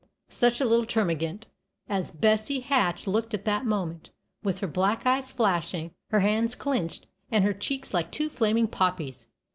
Such a little termagant as Bessie Hatch looked at that moment, with her black eyes flashing, her hands clinched, and her cheeks like two flaming poppies!